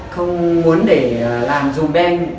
không muốn để làm dùm đen